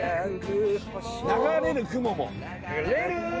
「流れる雲も」